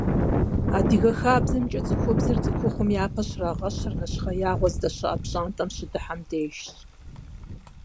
Адыгэ хабзэмкӀэ цӀыхубзыр цӀыхухъухэм япэ щрагъэщыр нэщхъеягъуэ здэщыӀэ пщӀантӀэм щыдыхьэм дежщ.